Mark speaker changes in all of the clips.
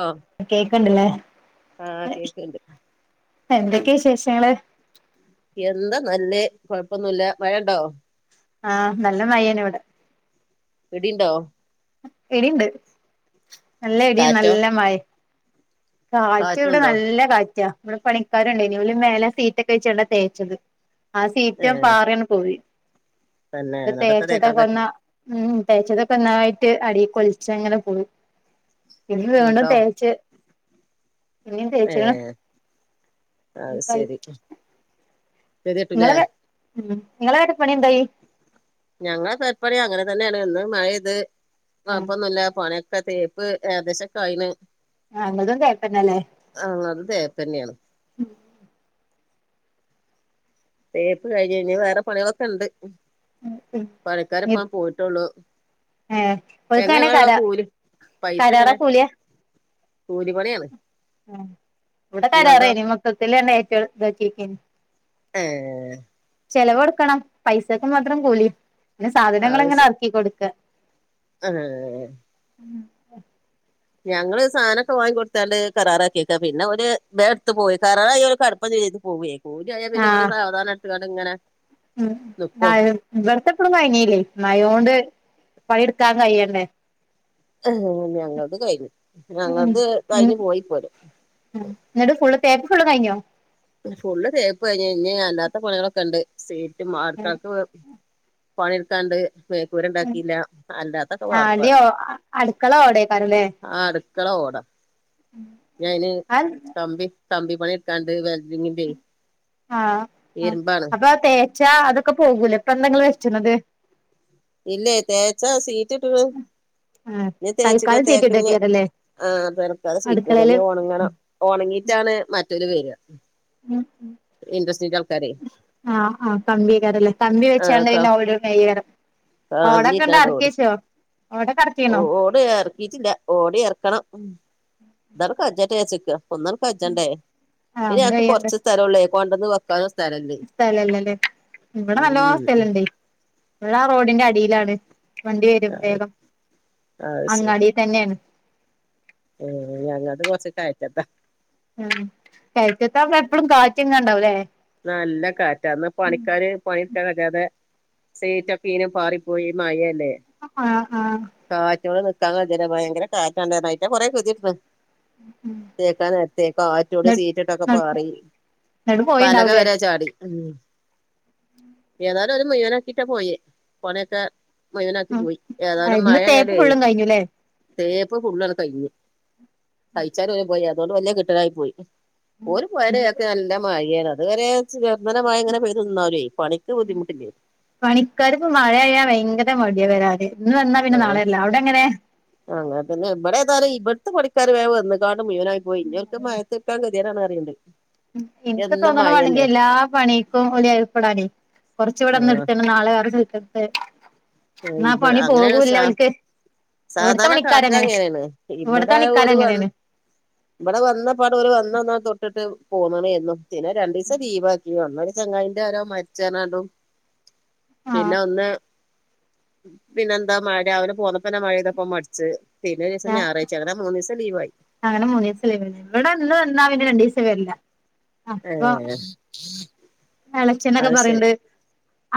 Speaker 1: ആ
Speaker 2: കേക്ണ്ട്ലേ.
Speaker 1: ആ കേക്ക്ണ്ട്
Speaker 2: എന്തൊക്കെ വിശേഷങ്ങള്..
Speaker 1: എന്താ നല്ലേ കൊഴ്പ്പൊന്നുല്ല മഴണ്ടോ..
Speaker 2: ആഹ് നല്ല മയേന് ഇവടെ..
Speaker 1: ഇടിണ്ടോ
Speaker 2: ഇടിണ്ട് നല്ല ഇടിം
Speaker 1: കാറ്റോ
Speaker 2: നല്ല മഴിം കാറ്റ് ഇവിടെ
Speaker 1: കാറ്റുണ്ടോ
Speaker 2: നല്ല കാറ്റാ ഇവിടെ പണിക്കാർണ്ടായിന്നു. ഓല് മേലെ സീറ്റൊക്കെ വെച്ചാണ്ടാ തേച്ചത്. ആഹ്
Speaker 1: ഏ
Speaker 2: സീറ്റാണ്ട്പാറിയാണ്ട് പോയി
Speaker 1: തന്നെ
Speaker 2: ഇത്
Speaker 1: ന്നട്ടത്ത തേക്കാൻ കട്ടി
Speaker 2: തേച്ചതൊക്കൊന്ന. ഉം. തേച്ചതൊക്കെന്നായ്ട്ട് അടി കൊൾച്ചങ്ങനെ പോയി. [unintelligible]
Speaker 1: ന്നട്ടോ
Speaker 2: തേച്ച്.. പിന്നിം
Speaker 1: ഏ
Speaker 2: തേച്ച്ക്ണ്
Speaker 1: അത്
Speaker 2: കൈഞ്ഞു.
Speaker 1: ശരി ഗതികെട്ടുല്ലേ
Speaker 2: ങ്ങളെ മ്മ് ങ്ങളെ പെരപ്പണി എന്തായി..
Speaker 1: ഞങ്ങളെ പെരുപ്പണി അങ്ങനെ തന്നെണ് ഇന്ന് മഴയ്ത്
Speaker 2: ആഹ്
Speaker 1: കൊഴ്പ്പൊന്നുംല്ല. പണിയൊ [unintelligible] തേപ്പ് ഏകദേശൊക്കായിണ്.
Speaker 2: ആഹ് അങ്ങൾതും തേപ്പേന്നല്ലേ.
Speaker 1: അങ്ങൾത് തേപ്പെന്നെണ്..
Speaker 2: ഉം
Speaker 1: തേപ്പ് കയ്ഞ്ഞ് വേറെ പണിയാളൊക്കെണ്ട്.
Speaker 2: തേപ്പന്നല്ലേ
Speaker 1: പണിക്കാര്പ്പൊ പോയിട്ടൊള്ളു.
Speaker 2: ഏഹ് ഓൽക്കങ്ങനെ
Speaker 1: എങ്ങനങ്ങളെക്കെ
Speaker 2: കരാ
Speaker 1: കൂലി പൈസ
Speaker 2: കരാറാ
Speaker 1: എങ്ങനെ
Speaker 2: കൂലിയാ
Speaker 1: കൂലി പണിയാണ്.
Speaker 2: ആഹ് ഇവടെ കരാറേനി മൊത്തത്തിലെന്നെ ഏറ്റട്ത് ഇതാകിയക്കേനി.
Speaker 1: ഏഹ്
Speaker 2: ചെലവൊട്ക്കണം പൈസക് മാത്രം കൂലി പിന്നെ സാധനങ്ങൾ ഇങ്ങനെ അർക്കികൊട്ക്ക
Speaker 1: ഏഹ് ഞങ്ങള് സാനൊക്കെ വാങ്ങി കൊട്ത്താണ്ട് കരാറാക്കിയക്ക പിന്നെ ഓര് ബേട്ത്ത് പോയി കരാറായാ ഓല് കട്പ്പം [unintelligible] പോവ്വേ. കൂലി ആയാ പിന്നെ ഒരു
Speaker 2: ആഹ്
Speaker 1: സാവധാനട്ത്ത്കാണ്ട് ഇങ്ങനെ
Speaker 2: ഉം
Speaker 1: നിക്കും
Speaker 2: [unintelligible] മഴോണ്ട് പണിട്ക്കാൻ കഴിയണ്ടേ.
Speaker 1: ഹ്, ഞങ്ങള്ത് കഴ്ഞ്ഞു ഞങ്ങൾത് കഴ്ഞ്ഞ് പോയിപോല്
Speaker 2: ആഹ് ന്നൾത് ഫുള്ള് തേപ്പ് ഫുള്ള് കയ്ഞ്ഞോ
Speaker 1: ഫുള്ള് തേപ്പ് കയ്ഞ്ഞ് ഇഞ്ഞ് അല്ലാത്ത പണിയാളൊക്കെണ്ട്. സീറ്റ് [unintelligible] പണിട്ത്താണ്ട് മേക്കൂരണ്ടാക്കില്ല അല്ലാത്തൊക്കെ
Speaker 2: ആഹ്
Speaker 1: വാർപ്പാണ്
Speaker 2: അടിയോ അടുക്കള ഓടേക്കാരല്ലേ
Speaker 1: ആട് ക്കള ഓടാ ഞയ്ന്
Speaker 2: ആഹ്
Speaker 1: കമ്പി കമ്പി പണി ഇട്ക്കാണ്ട് ബെൽ
Speaker 2: ആഹ്
Speaker 1: ഇരുമ്പാണ്
Speaker 2: അപ്പൊ തേച്ചാ അതൊക്കെ പോകൂലെ ഇപ്പ എന്താങ്ങള് വെച്ച്ണത്
Speaker 1: ഇല്ലേ തേച്ചാ സീറ്റ് ഇട്ട്ണ്
Speaker 2: ആഹ്
Speaker 1: ഇഞ്ഞ് തേച്ച്
Speaker 2: തൽക്കാലം
Speaker 1: തേക്ക്ഞ്ഞെ
Speaker 2: സീറ്റിട്ടേക്കാരല്ലേ
Speaker 1: ആഹ് തലക്കാലം സീറ്റ്ട
Speaker 2: അടുക്കളേല്
Speaker 1: ഇഞ്ഞ് ഓണങ്ങണം ഒണങ്ങീട്ടാണ് മറ്റൊരു വെര ഇൻടസ്ട്രിന്റെ
Speaker 2: ആഹ് ആഹ് കമ്പിയാകാരല്ലേ കമ്പി
Speaker 1: ആഹ്
Speaker 2: വെച്ചാണ്ട്
Speaker 1: ക
Speaker 2: പിന്നെ ഓട് മെയ്യകരം ഓടൊക്കെങ്ങട്ട്
Speaker 1: കമ്പിട്ടാണ്ട്
Speaker 2: അർക്കി
Speaker 1: ഓടും
Speaker 2: വെച്ചോ, ഓടോക്കെ അർക്കീണോ?
Speaker 1: ഓട് അർക്കീട്ടില്ല ഓട് അർക്കണം. ഇതാണ്ട് കജട്ടേ വിജാർച്ച്ക്കാ ഒന്നാണ്ട് കജണ്ടേ
Speaker 2: ആഹ്
Speaker 1: ഇനി
Speaker 2: ഒന്നും
Speaker 1: ഞങ്ങ്ക്ക്
Speaker 2: ചെയ്യാണ്ട്
Speaker 1: കൊർച്ച് സ്ഥലള്ളേ കൊണ്ടന്ന് വെക്കാനുംസ്ഥലല്ല.
Speaker 2: സ്ഥലല്ലല്ലേ ഇവടെ നല്ലോം സ്ഥലണ്ടെ ഉള്ള റോഡിന്റെ അടീലാണ് വണ്ടി വെരും വേഗം
Speaker 1: അത് ശരി
Speaker 2: അങ്ങാടിതന്നെണ്.
Speaker 1: ഏഹ് ഞങ്ങൾത് കൊർച്ച് കയറ്റാത്താ
Speaker 2: ആഹ് കയറ്റതാവുമ്പോ എപ്പളും കാറ്റ്ങ്ങനെ ഇണ്ടാവുല്ലേ
Speaker 1: നല്ല കാറ്റ ഇന്ന് പണിക്കാര് പണിട്ക്കാൻ കജാതെ സീറ്റൊക്കീനും പാറിപ്പോയി മഴല്ലേ
Speaker 2: ആഹ് ആഹ്
Speaker 1: കാറ്റോട് നിക്കാൻ കയ്ണ്ല്ല്യ ഭയങ്കര കാറ്റാ ഉണ്ടായിരായിറ്റ കൊറെ കതിയിട്ടന്ന് തേക്കാൻ നേരെത്തെ
Speaker 2: ന്ന
Speaker 1: കാറ്റോട്ട് സീറ്റിട്ടൊക്കെ
Speaker 2: ന്നട്ട്
Speaker 1: പാറി
Speaker 2: ന്നട്ട്
Speaker 1: പലക
Speaker 2: പോയിണ്ടാവുലേ
Speaker 1: വരെ ചാടി.. ഉം ഏതാലും ഒരു മുയുവനാക്കിട്ടാ പോയെ പണിയോക്കെ മുഴുവനാക്കി
Speaker 2: ഉം
Speaker 1: പോയി ഏതായാലും
Speaker 2: ഇന്ന് തേപ്പ്
Speaker 1: മഴയായാലേ
Speaker 2: ഫുള്ളും കഴിഞ്ഞുല്ലേ
Speaker 1: തേപ്പ് ഫുള്ള് അങ്ങ് കഴിഞ്ഞ് കഴിച്ചാലു പോയി അതുകൊണ്ട് വലിയ കിട്ടലായി പോയി ഓല് പോയേന്റെ
Speaker 2: ഇഞ്ഞിപ്പോ
Speaker 1: ബാക്കിൽ നല്ല മഴയാണ് അത് വരെ ചേറുതനേ മഴ പെയ്ത്ങ്ങനെനിന്നാലുവേ പണിക്ക് ബുദ്ധിമുട്ടില്ലേ
Speaker 2: പണിക്കാരിപ്പോ മഴയായാ ഭയങ്കര മടിയാ വരാന് ഇന്ന് വന്നാ പിന്നെ
Speaker 1: ആഹ്
Speaker 2: നാളെ വരില്ല അവിടെങ്ങനെയാ
Speaker 1: അങ്ങനെ പിന്നെ ഇവിടെ ഏതാലും ഇവിടത്തെ പണിക്കാര് വേഗം വന്നക്കാണ്ട് മുഴുവനായി പോയി [unintelligible] കേടാണറീണ്ട്
Speaker 2: ഉം ഇപ്പൊ തോന്നണ് വേണെങ്കിൽ എല്ലാ പണിക്കും ഓല് ഏർപ്പെടാന് കൊറച്ച് ഇവിടൊന്ന്
Speaker 1: ആഹ്
Speaker 2: എടുത്ത് നാളെ വേറെ സ്ഥലത്ത് എടുത്ത്
Speaker 1: ഏഹ് ഇബ അങ്ങനെയാണ് സാ
Speaker 2: ഇവിടുത്തെ
Speaker 1: സാധാരണ കാട്ടണേ
Speaker 2: പണിക്കാരങ്ങനെ
Speaker 1: അങ്ങനെയാണ്
Speaker 2: ഇവിടുത്തെ
Speaker 1: ഇവിടെ
Speaker 2: പണിക്കാര്
Speaker 1: ഒരു വ
Speaker 2: അങ്ങനെയാണ്
Speaker 1: ഇവിടെ വന്ന പാടെ ഓര് വന്നന്നാ തൊട്ടിട്ട് പോന്നണ എന്നു പിന്നെ രണ്ടീസം ലീവാ ഈ ഒന്നൊരു ചങ്കായിന്റാരോ മരിച്ച്റിഞ്ഞോണ്ടും
Speaker 2: ആഹ്
Speaker 1: പിന്നെ ഒന്ന് പിന്നെന്താ മഴ രാവിലെ പോന്നപ്പോ മഴപെയ്തപ്പോ മടിച്ച് പിന്നെ ഒരീസം ഞായറഴ്ചാ അങ്ങനെ മൂന്ന് ദിവസം ലീവായി
Speaker 2: അങ്ങനെ മൂന്ന് ദിവസം ലീവ് അല്ലേ ഇവിടെ ഒന്ന് വന്നാ പിന്നെ രണ്ട് ദിവസം വരില്ല
Speaker 1: ഏഹ്
Speaker 2: ഇളയച്ചനൊക്കെ പറയണ്ട്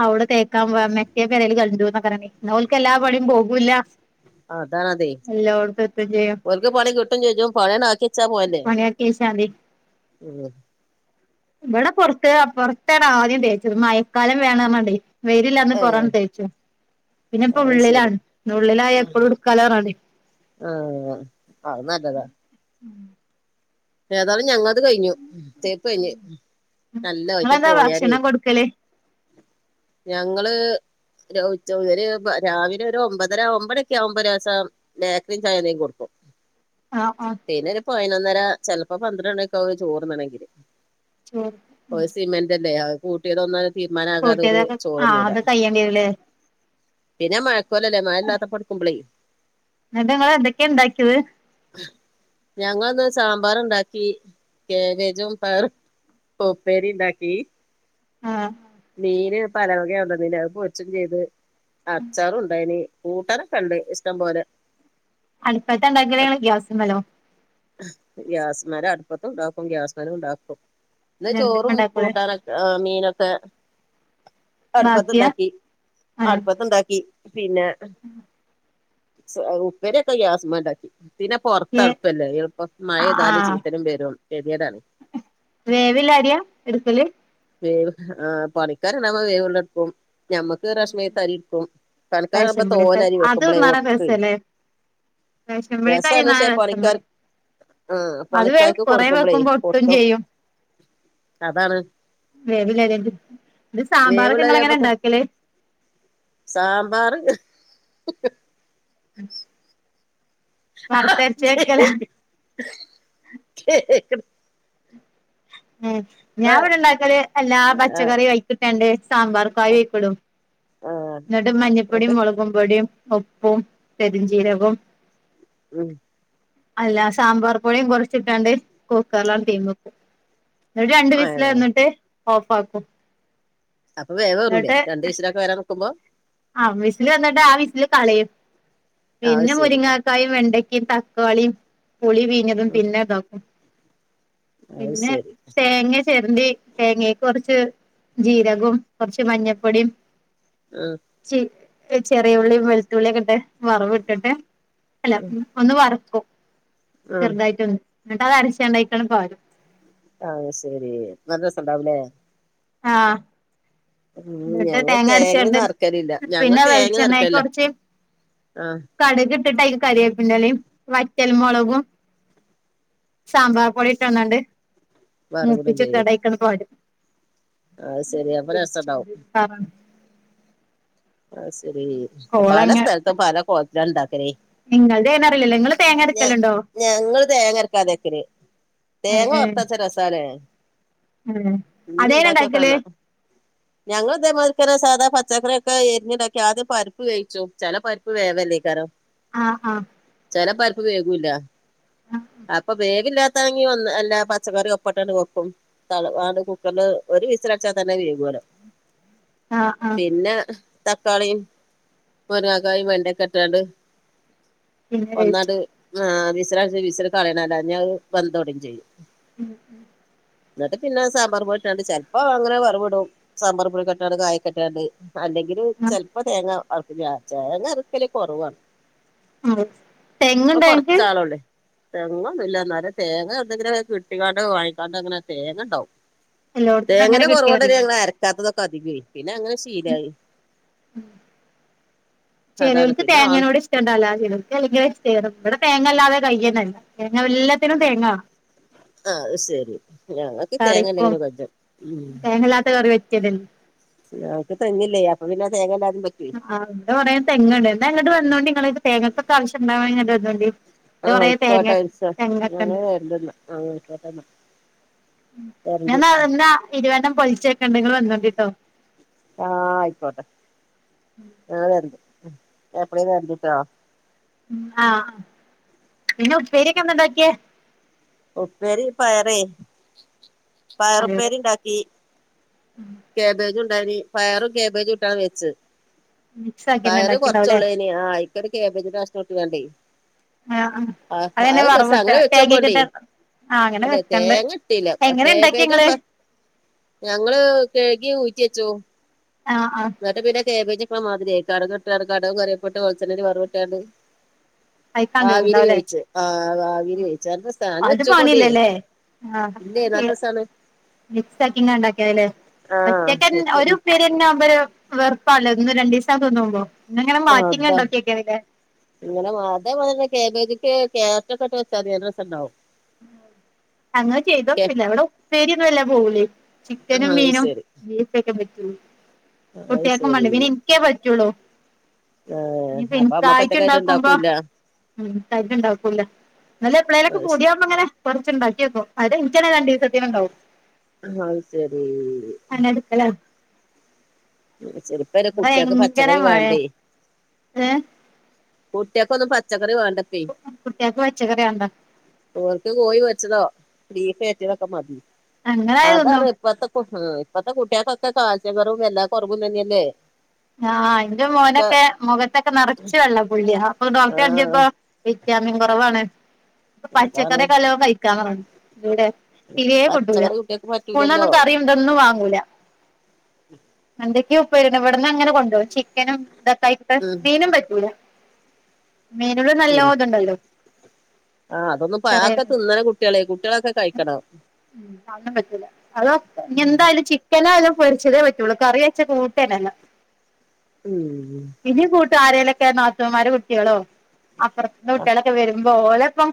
Speaker 2: അവിടെ തേക്കാൻ പറഞ്ഞാ മറ്റേ പേരെ കണ്ട് പിന്നെ ഓല്ക്ക് എല്ലാപണിയും പോകൂല
Speaker 1: അതാണതെ
Speaker 2: ചെയ്യും
Speaker 1: ഓൽക്ക് പണി കിട്ടും ചോദിച്ചപ്പം പണിയെല്ലാക്കി വെച്ചാ പോരുന്നേ
Speaker 2: പണിയാക്കിവെച്ചാമതി
Speaker 1: [unintelligible]
Speaker 2: ഇവിടെ പുറത്ത് പുറത്താണ് ആദ്യം തേച്ചത് മഴക്കാലം വെരുണ്ട്പറഞ്ഞാണ്ട് വെയിലില്ലാഞ്ഞ്
Speaker 1: ഏ
Speaker 2: പോറാണ് തേച്ചു പിന്നെ ഇപ്പൊ
Speaker 1: അത് ശരി
Speaker 2: ഉള്ളിലാണ് ഉള്ളിലായ എപ്പോഴും എടുക്കാലോ പറഞ്ഞാണ്ട്
Speaker 1: ആഹ് അത് നല്ലതാ
Speaker 2: ഉം
Speaker 1: ഏതായാലും ഞങ്ങത് കഴിഞ്ഞു തേപ്പ് കഴിഞ്ഞ് നല്ല
Speaker 2: നിങ്ങളെന്താ
Speaker 1: ആയേറ്റ്പോയാരെ
Speaker 2: ഭക്ഷണം കൊടുക്കല്
Speaker 1: ഞങ്ങള് ര രാവിലെ ഒരു ഒമ്പതര ഒമ്പതൊക്കെ ആവുമ്പോരോസം ബേക്കറിയും ചായയും എന്തേലും കൊടുക്കും
Speaker 2: ആഹ് ആഹ്
Speaker 1: പിന്നെ ഒരു പതിനൊന്നര ചെലപ്പോ പന്ത്രണ്ടൊക്കെ ആവേ ചോറുണ്ണണെങ്കില്
Speaker 2: ചോറ്
Speaker 1: ഓ സിമന്റല്ലേ ആഹ് കൂട്ടിയത് ഒന്ന് തീരുമാനാകാതെ ഓരു
Speaker 2: കൂട്ടിയതൊക്കെ ആഹ്
Speaker 1: ചോറുന്നൂലാ
Speaker 2: അത് കയ്യേണ്ടി വരൂല്ലേ
Speaker 1: പിന്നെ മഴക്കോലല്ലേ മഴയില്ലാത്തപ്പൊ എടുക്കുമ്പോളെ
Speaker 2: ന്നിട്ട് ഇങ്ങള് എന്തൊക്കെയാ ഉണ്ടാക്കിയത്.
Speaker 1: ഞങ്ങന്ന് സാ മ്പാറ് ഉണ്ടാക്കി കേബേജും പയറും ഉപ്പേരിം ഉണ്ടാക്കി
Speaker 2: ആഹ്
Speaker 1: മീന് പലവകയാ കൊണ്ടന്നീനെ അത് പൊരിച്ചും ചെയ്ത് അച്ചാറും ഉണ്ടായിന് കൂട്ടാനൊക്കെ ഉണ്ട് ഇഷ്ടം പോലെ
Speaker 2: അടുപ്പത്താ ഉണ്ടാക്കണെ ഇങ്ങള് ഗ്യാസിമ്മേലൊ.
Speaker 1: ഗ്യാസ് മര അടുപ്പത്ത് ഉണ്ടാക്കും ഗ്യാസ് മേലും ഉണ്ടാക്കും ഇന്ന്
Speaker 2: രണ്ടുമ്മെ
Speaker 1: ചോറും
Speaker 2: ഇണ്ടാക്കൂലേ
Speaker 1: കൂട്ടാനൊക്കെ ആഹ് മീനൊക്കെ അടുപ്പത്ത്
Speaker 2: ബാക്കിയാ
Speaker 1: ഉണ്ടാക്കി
Speaker 2: ഏഹ്
Speaker 1: അടുപ്പത്ത് ഉണ്ടാക്കി പീ പിന്നെ ഉപ്പേരി ഒക്കെ ഗ്യാസ്മെ ഉണ്ടാക്കി. പിന്നെ പൊറ്ത്ത്
Speaker 2: ഏ
Speaker 1: അടുപ്പല്ലേ. യൾപ്പം മഴ
Speaker 2: ആഹ്
Speaker 1: പെയ്താലും
Speaker 2: ആഹ്
Speaker 1: ചീത്തനും വരും ഗെതിയേടാണ്.
Speaker 2: വേവില്ല അരിയ ഇട്ക്കല്
Speaker 1: വേവ് ആഹ് പണിക്കാര് ണ്ടാവുമ്പോ വേവുള്ള വെക്കും ഞമ്മക്ക് റേഷനീത്തെ അരിക്കും. പണി ക്കാരവുമ്പോ
Speaker 2: റേഷൻ പീടിയത്തെ
Speaker 1: തോനെ അരി
Speaker 2: അത്
Speaker 1: വെക്കുമ്പോളെ
Speaker 2: തിന്നാനാ
Speaker 1: ഒട്ടും.
Speaker 2: രസല്ലേ റേഷൻ പീടിയത്തെ അരി
Speaker 1: രസാണ് പക്ഷെ
Speaker 2: തിന്നാനാ രസം
Speaker 1: പണിക്കാർ
Speaker 2: പറ
Speaker 1: ആഹ
Speaker 2: അത് വേ
Speaker 1: പണിക്കാർക്ക്
Speaker 2: കൊറേ
Speaker 1: കൊടുക്കുമ്പോളേ
Speaker 2: വെക്കുമ്പോ ഒട്ടും
Speaker 1: പൊട്ടും
Speaker 2: ചെയ്യും
Speaker 1: അതാണ്.
Speaker 2: വേവില്ല ഇത് സാമ്പാറൊക്കെ ഇങ്ങള് എങ്ങനാ
Speaker 1: വേവുള്ളരിയാവുമ്പോ
Speaker 2: ഇണ്ടാക്കല്.
Speaker 1: സാമ്പാറ് ഹി ഹേ
Speaker 2: [unintelligible] വറുത്തരച്ച് വെക്കലാ
Speaker 1: [unintelligible]
Speaker 2: ഉു ഞാൻ ഇവിടെ ഇണ്ടാക്കല് എല്ലാ
Speaker 1: ആ
Speaker 2: പച്ചക്കറി അയ്ക്കിട്ടാണ്ട് സാമ്പാർ കായം അയ്ക്കു ഇടും.
Speaker 1: ആ
Speaker 2: ന്നിട്ട് മഞ്ഞപ്പൊടിയും
Speaker 1: ന്നട്ട്
Speaker 2: മുളകും പൊടിയും ഉപ്പും പെരിഞ്ചീരകും
Speaker 1: [unintelligible]
Speaker 2: അല്ല സാമ്പാർ പൊടിയും കുറച്ചിട്ടാണ്ട് കുക്കറിലാണ്ട്തീമക്കും ന്നിട്ട് രണ്ട്
Speaker 1: ഏ
Speaker 2: വിസില് ന്നിട്ട് ഓഫ് ആക്കും.
Speaker 1: അപ്പൊ വേവ്റൂലെ
Speaker 2: എന്നിട്ട്
Speaker 1: രണ്ടീസല് ഒക്കെ വരാൻ നിക്കുമ്പോ.
Speaker 2: ആ വിസില് വന്നിട്ട് ആ വിസില് കളയും
Speaker 1: അത്
Speaker 2: പിന്നെ
Speaker 1: ശരി
Speaker 2: മുരിങ്ങ ക്കായ വെണ്ടക്കിം തക്കാളിയും പുളി പീഞ്ഞതും പിന്നെ ഇതാക്കും
Speaker 1: അത്
Speaker 2: പിന്നെ
Speaker 1: ശരി
Speaker 2: [unintelligible] തേങ്ങ ചേരണ്ടി തേങ്ങക്ക് കുറച്ച് ജീരകവും കുറച്ച് മഞ്ഞപ്പൊടിയും
Speaker 1: ആഹ
Speaker 2: ചി ചെറിയ ഉള്ളിം വെളുത്തുള്ളി ഒക്കെട്ട് വറവ് ഇട്ടിട്ട് അല്ല ഒന്ന് വറക്കും
Speaker 1: ഉം
Speaker 2: ചെറുതായിട്ട് ഒന്ന് എന്നിട്ട് അത് അരച്ചാണ്ട് അയിക്കണ്ട് പാരും
Speaker 1: ആഹ ശെരി നല്ല രസണ്ടാവുലെ
Speaker 2: ആഹ
Speaker 1: ഉും ഞങ്ങൾ തേങ്ങ
Speaker 2: അരച്ചാണ്ട്
Speaker 1: വറക്കലില്ല ഞങ്ങൾ
Speaker 2: പിന്നെ
Speaker 1: തേങ്ങ
Speaker 2: വെളിച്ചെണ്ണേക്ക്
Speaker 1: വറക്കല്ല
Speaker 2: കൊറച്ച്
Speaker 1: ആഹ
Speaker 2: കടുക് ഇട്ടിട്ട് അയില് കരിയെപ്പിന്റെ ഇലിംവറ്റൽ മുളകും സാമ്പാർ പൊടിട്ട് ഒന്നണ്ട്
Speaker 1: വറവിടും
Speaker 2: മൂപ്പിച്ചിട്ടിട്ട്
Speaker 1: ചെയ്യും
Speaker 2: അതയ്ക്കണ്ട് പാരും
Speaker 1: അത് ശെരി അപ്പൊ രസണ്ടാവും
Speaker 2: [unintelligible]
Speaker 1: ആഹ ശെരി പല
Speaker 2: കോളങ്ങ
Speaker 1: സ്ഥലത്തും പല കോല്ത്തില ണ്ടാക്കലെ
Speaker 2: നിങ്ങൾത് എങ്ങനെ അറിയില്ലല്ലോ നിങ്ങള് തേങ്ങ
Speaker 1: ഞ
Speaker 2: അരക്കലുണ്ടോ
Speaker 1: ഞങ്ങള് തേങ്ങ അരക്കാതെ വെക്കല്. തേങ്ങ വർത്തരച്ചാ രസാലെ
Speaker 2: ഹേ അതേന ണ്ടാക്കല്
Speaker 1: ഞങ്ങള് തേമായിരി തന്നെ സാധാ പച്ചക്കറി ക്കെ എരിഞ്ഞ്ടാക്കി ആദ്യം പരിപ്പ് വേിച്ചു ചില പരിപ്പ് വേവല്ലേ കാരം
Speaker 2: ആഹ ആഹ്
Speaker 1: ചെല പരുപ്പ് വേകുല്ല.
Speaker 2: ആഹ്
Speaker 1: അപ്പൊ വേവില്ല പനിവന്നാ അല്ലാ പച്ചക്കറി ഒപ്പയിട്ടാ എന്താ കൊപ്പം താള് വാണ് കുക്കറില് ഒരു വിസിലടിച്ചാ തന്നെ വേകുല
Speaker 2: ആഹ് ആഹ്
Speaker 1: പിന്നെ തക്കാളിം മുരങ്ങക്കായും വെണ്ടക്കിം ഇട്ടാണ്ട്
Speaker 2: പിന്നെ വേവിച്ചു
Speaker 1: ഒന്നാത് ആ വിസലടിച്ച് വിസൽകളയണല്ല എല്ലാഞ്ഞ അഹ് വെന്ത്ടയുകയും ചെയ്യും
Speaker 2: [unintelligible]
Speaker 1: എന്നിട്ട് പിന്നെ സമ്പാറ്ട്ടണ്ട് ചിലപ്പോ അങ്ങനെ വറവ്വിടും സമ്പാർ പൊടിക്കെട്ടാണ്ട് കായ്ക്കട്ടാണ്ട് അല് ല് ചെൽപ്പോ തേങ്ങ അറക്കല് തേങ്ങ അരക്കല് കുറവാണ്
Speaker 2: ആഹ്
Speaker 1: ഇപ്പ
Speaker 2: തെങ്ങുണ്ടോ നിങ്ങക്ക്
Speaker 1: കൊറച്ചാളെയുളെ തെങ്ങ് ഒന്നുല്ല. ന്നാലും തേങ്ങയോട്നെങ്കിലും കിട്ടിക്കാണ്ട് വാങ്ങിക്കാണ്ട് അങ്ങനെ തേങ്ങണ്ടാവും
Speaker 2: എല്ലോടത്തുന്നും അങ്ങനെ
Speaker 1: തേങ്ങൻ്റെ കുറവ്കെണ്ട്
Speaker 2: കിട്ടിയാറില്ലേ
Speaker 1: ഞങ്ങള് അരക്കാത്തതൊക്കെ അതികു പിന്നെ അങ്ങനെ ശീലായി
Speaker 2: ഉം
Speaker 1: അതാണ്
Speaker 2: ചേലോൽക്ക്
Speaker 1: പിന്നെ ആൾ
Speaker 2: തേങ്ങനോട് ഇഷ്ടണ്ടാവില്ല ചേലോൽക്ക് അല്ലെങ്കിലെ [unintelligible] ഇപടെ തേങ്ങ ഇല്ലാതെ കയ്യന്നല്ല തേങ്ങ എല്ലത്തിനും തേങ്ങ വാണം
Speaker 1: അത് ശരി ഞങ്ങക്ക് തേങ്ങ ഇല്ലങ്കിലും കുഴപ്പ
Speaker 2: തേങ്ങല്ലാത്ത കറി പറ്റില്ലല്ലോ
Speaker 1: ഞങ്ങക്ക് തെങ്ങില്ലേ അപ്പം പിന്നെ തേങ്ങ ഇല്ലാതിം പറ്റും
Speaker 2: ആഹ് ഇവട കുറെ തെങ്ങ് ഇണ്ട് ഇന്നാങ്ങോട്ട് വന്നോണ്ടി ഇങ്ങള് തേങ്ങക്കൊക്കെ ആവശ്യം [unintelligible] വന്നോണ്ടി
Speaker 1: ആ
Speaker 2: കൊറേ
Speaker 1: ഇപ്പോ ആ
Speaker 2: തേങ്ങ
Speaker 1: ട്ടയിൽസാ
Speaker 2: തെങ്ങൊക്കെ ഉണ്ട്
Speaker 1: ഞങ്ങള് [unintelligible]
Speaker 2: ഞാൻ
Speaker 1: വരണ്ട്
Speaker 2: ന്നാ ന്നാ ഇരുവേണ്ണം പൊളിച്ചേക്കണ്ട് ഇങ്ങള് വന്നോണ്ടിട്ടോ
Speaker 1: ആ അയിക്കോട്ടെ ഞാൻ വര്ണ്ട് എപ്പളേം വര്ണ്ട്ട്ടോ
Speaker 2: ഉം ആഹ് പിന്നെ ഉപ്പേരിയെക്കെ എന്താണ്ടാക്കിയെ
Speaker 1: ഉപ്പേരി പയറെ പയറ് ഉപ്പേരിണ്ടാക്കി
Speaker 2: ഉം
Speaker 1: കെബേജും ഇണ്ടായിനി പയറും കെബേജും ഇട്ടാണ്ട് വെച്ച്
Speaker 2: മിക്സ് ആക്കിന്നെ
Speaker 1: പയറ്
Speaker 2: ഉണ്ടാക്കിണ്ടാവുംല്ലേ
Speaker 1: കൊർച്ചോള്ളെ ആ അയ്ക്കൊക്കെ കെബേജ്ന്റെ കഷ്ണും ഇട്ട്കാണ്ടെ
Speaker 2: ആഹ് ആഹ്
Speaker 1: ആ
Speaker 2: അതന്നെ
Speaker 1: അത് രസ
Speaker 2: വറവിട്ട്
Speaker 1: അങ്ങനെ വെച്ചോക്കോണ്ടി
Speaker 2: തേങ്ങക്കിട്ട് ആഹ് അങ്ങനെ
Speaker 1: അല്ലെ
Speaker 2: വെക്കണ്ട്
Speaker 1: തേങ്ങ ഇട്ടീല്ല
Speaker 2: എങ്ങനെ ഇണ്ടാക്കി
Speaker 1: കെബേജും
Speaker 2: ഇങ്ങള്
Speaker 1: പ ഞങ്ങള് കൈകി ഊറ്റിയച്ചു
Speaker 2: ആഹ് ആഹ്
Speaker 1: ന്നട്ട് പിന്നെ കെബേജ് വെക്ക്‌ണ മാതിരീയെ കട്‌ക് ഇട്ടാണ്ട് കട്കും കറിവേപ്പിലയിട്ട് വെൾച്ചണ്ണേല് വറവ് ഇട്ടാണ്ട്
Speaker 2: അയിക്കാണ്ട് ഇണ്ടാവ് ലെ
Speaker 1: ആഹ് ആവിയിൽ വേവിച്ച നല്ല രസാ ഒന്നു
Speaker 2: അത്
Speaker 1: വെച്ചോക്കൊണ്ടി
Speaker 2: പണിയില്ലല്ലേ
Speaker 1: ഇല്ലേ നല്ല രസാണ്
Speaker 2: മിക്സാക്കിങ്ങാ ഇണ്ടാക്കിയ ലെ
Speaker 1: ആഹ്
Speaker 2: ഒറ്റക്കൻ ഒരു
Speaker 1: വെച്ച്
Speaker 2: ഉപ്പേ ന്നെ ആവുമ്പോ ഒര് വെർപ്പാല്ലോ ഒന്ന് രണ്ടീസം തിന്നുമ്പോ [unintelligible]
Speaker 1: ആ അതാ
Speaker 2: മാറ്റിങ്ങനെ [unintelligible]
Speaker 1: ഇങ്ങനെ മാ അതെ പോലന്നെ കേബേജിക്ക് ക്യാരറ്റ് ഒക്കെ ഇട്ട് വെച്ചാതി നല്ല രസണ്ടാവും
Speaker 2: അങ്ങനെ ചെയ്തോക്കില്ല ഇവട ഉപ്പേരിയങ്ങനെ വല്ലാ പോവൂലേ ചിക്കനും
Speaker 1: ആ അത്
Speaker 2: മീനും
Speaker 1: ശരി
Speaker 2: ബീഫ് ഒക്കെ പറ്റൂ
Speaker 1: അത്
Speaker 2: കുട്ടിയെക്കും
Speaker 1: ശരി
Speaker 2: വാണ്ട പിന്നെ ഇൻക്കെ പറ്റുള്ളൂ
Speaker 1: ആഹ്
Speaker 2: ഇഞ്ഞിപ്പം
Speaker 1: അപ്പൊ അമ്മക്ക്
Speaker 2: ഇൻക്കായിട്ട്
Speaker 1: ഒറ്റക്കായിട്ട്
Speaker 2: ഇണ്ടാക്കുമ്പോ
Speaker 1: ഇണ്ടാക്കൂല്ല
Speaker 2: ഉം ഇൻക്കായിട്ട് ഇണ്ടാക്കൂല്ല ന്നാല് എപ്പളെലൊക്കെ
Speaker 1: അത് ശരി
Speaker 2: പൂതിയാവുമ്പം ഇങ്ങനെ കെർച്ണ്ടാക്കിയോക്കും അത് ഇൻക്കെന്നെ രണ്ടീസത്തിന് ഇണ്ടാവും
Speaker 1: അഹ് സരീ
Speaker 2: അല്ല
Speaker 1: ചെൽപ്പൻ്റെ
Speaker 2: ഇവിടെ
Speaker 1: കുട്ടിയൾക്ക്
Speaker 2: ഭയങ്കര
Speaker 1: പച്ചക്കറി
Speaker 2: മഴേ
Speaker 1: വാണ്ടേ
Speaker 2: ഏഹ്
Speaker 1: കുട്ടിയെക്കൊന്നും പച്ചക്കറി വാണ്ട പ്പെ
Speaker 2: കുട്ട്യാക്ക് പച്ചക്കറി വേണ്ട
Speaker 1: ഓൽക്ക് കോഴി പൊര്ച്ചദോ ബീഫ് വര്ട്ടിയതൊക്കെ മതി
Speaker 2: അങ്ങനായത് തിന്നും
Speaker 1: അതാണ് ഇപ്പത്ത ഇപ്പത്തെ കുട്ടിയെക്കൊക്കെ കാൽസ്യ കൊറവും എല്ലാ കൊറവും തന്നെയല്ലേ
Speaker 2: ആഹ് ഇന്റെ മോനൊക്കെ മോഖത്തൊക്കെ നർച്ച് വെള്ള പുള്ളിയ അപ്പൊ ഡോക്റ്റെ
Speaker 1: ആഹ്
Speaker 2: കാൺചപ്പോ വിറ്റാമിൻ കുറവാണ്
Speaker 1: അതാണ്
Speaker 2: പച്ചക്കറിയൊക്കെ നല്ലോം കഴിക്കാൻ പർഞ്ഞിണ് എവ്ടെ തീരെ കുട്ടൂല്ല
Speaker 1: പച്ചക്കറി കുട്ടികൾക്ക് പറ്റൂലല്ലോ
Speaker 2: സ്കൂൾന്നൊന്നും കറി തൊന്നും വാങ്ങൂല വെണ്ടയ്ക്ക ഉപ്പേരിയന്നെ ഇവ ഇവട്ന്നങ്ങനെ കൊണ്ടോവും ചിക്കനും ഇതക്കായിട്ട്
Speaker 1: ഉം
Speaker 2: മീനും പറ്റൂല മീന് ന്
Speaker 1: പിന്നെ
Speaker 2: നല്ലോത്ണ്ടല്ലോ
Speaker 1: ആഹ് അതൊന്നും പാ അഅക്ക തിന്നണം കുട്ടിയളെ കുട്ടിയളൊക്കെ കഴിക്കണം
Speaker 2: [unintelligible] പറ്റൂല അതോ ഇനി എന്തായാലും ചി ക്കനായാലും പൊരിച്ചതേ പറ്റുള്ളൂ കറിവേച്ച കൂട്ടന്നല്ല
Speaker 1: ഉം
Speaker 2: [unintelligible] കൂട്ടും ആരേലൊക്കെ നാത്തുന്മാരെ കുട്ടിയളോ അപ്പർത്ത കുട്ടിയളൊക്കെ വരു ഓലപ്പം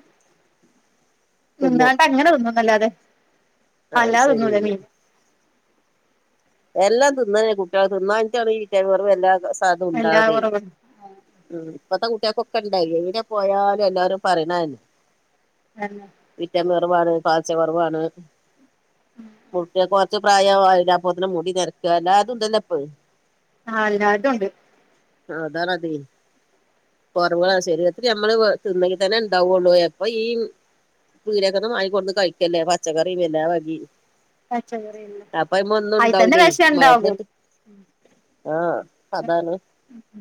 Speaker 1: തിന്നും
Speaker 2: മിണ്ടാണ്ടെ അങ്ങനെ തിന്നുന്നല്ലാതെ
Speaker 1: അഹ്
Speaker 2: അല്ലാതെ
Speaker 1: ശരി
Speaker 2: തിന്നൂല മീൻ
Speaker 1: എല്ലം തിന്നണേ കുട്ടിയള് തിന്നാഞ്ഞിട്ടാണ് ഈ വിറ്റാമിൻ കുറവ് എല്ലാ സാധനം
Speaker 2: എല്ലാ
Speaker 1: ഉണ്ടാവ്ന്നെ
Speaker 2: കുറവുണ്ട്
Speaker 1: ഉം ഇപ്പത്തെ കുട്ടികക്കൊക്കെ ഇണ്ടായി എവിടെ പോയാലും എല്ലാവരും പറയണന്നെ
Speaker 2: അല്ലാ
Speaker 1: വിറ്റാമിൻ കൊറവാണ് കാൽസൃ കൊറവാണ് കുട്ടിയേക്ക് കൊറച്ച് പ്രായമായി കഴിഞ്ഞാ മൊത്തത്തില് മുടിനരച്ചു എല്ലാതും ഇതല്ലോ ഇപ്പ്
Speaker 2: ആഹ എല്ലാടത്തും ഒണ്ട്
Speaker 1: ആ അതാണതേ കൊറവാ ശെരിരത്തില് നമ്മള് തിന്നെങ്കിതന്നെ ഉണ്ടാവുകൊള്ളു എപ്പഴും ഈ പീടിയക്കാരനും വാങ്ങികൊണ്ന്നുകഴിക്കയല്ലേ പച്ചക്കറി വെന്താമതി
Speaker 2: പച്ചക്കറിയല്ല അയിതന്നെ
Speaker 1: ഉണ്ടാവൂലേ
Speaker 2: വെഷൊണ്ടാകും
Speaker 1: മരുന്നിട്ട് ആഹ് അതാണ്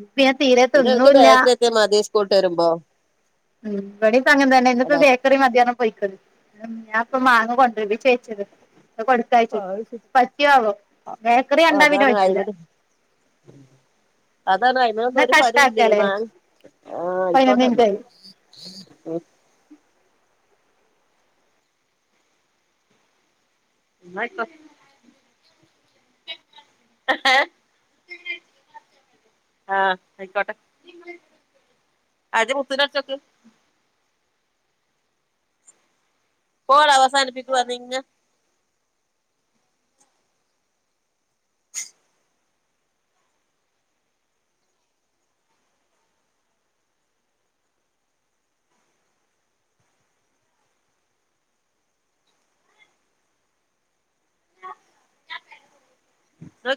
Speaker 2: ഉപ്പു ഞാൻ തീരെത്തിന്നുല്ലാ
Speaker 1: ഇതുമതി സ്കൂള് വിട്ട് വരുമ്പോ
Speaker 2: ഉം ഇവിടിപ്പൊ അങ്ങനെതന്നെ
Speaker 1: അല്ല
Speaker 2: ഇന്നിപ്പ വേ ഇത്രയും മതി എന്നാ പൊയ്ക്കോളിൻ ഞാൻ ഇപ്പൊ മാങ്ങാ കൊണ്ടത് ചെയ്ച്ചത് കൊടു ഇതായിപ്പോയി
Speaker 1: അത് ശരി
Speaker 2: പറ്റിയോ ആവോ ബേക്കറികണ്ടാ പിന്നേ
Speaker 1: അതാണ്
Speaker 2: വെയ്ക്കൂലാ
Speaker 1: അയ്മല് അതാണ് അയിനൊന്നും ഒരു ഫലോം ഇല്ലേ മാങ്ങ് ആ
Speaker 2: പതിനൊന്ന്
Speaker 1: ആയിക്കോട്ടെന്നാ
Speaker 2: മിനിറ്റായി
Speaker 1: ഉം
Speaker 2: [inaudible]
Speaker 1: എന്നാ ഇട്ടോ [inaudible] ആ ആയിക്കോട്ടെ അത് കുപ്പീല് നെറച്ചുവെക്ക് കോള് അവസാനിപ്പിക്കുവാ നിങ്ങെ [inaudible] [inaudible]